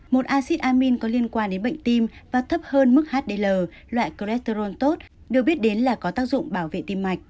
một acid amine có liên quan đến bệnh tim và thấp hơn mức hdl loại cholesterol tốt đều biết đến là có tác dụng bảo vệ tiêm mạch